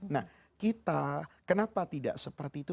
nah kita kenapa tidak seperti itu